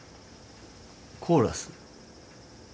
コーラス？